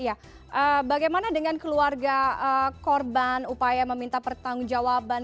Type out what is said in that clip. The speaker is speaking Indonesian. ya bagaimana dengan keluarga korban upaya meminta pertanggung jawaban